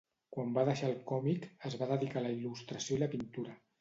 Quan va deixar el còmic es va dedicar a la il·lustració i la pintura.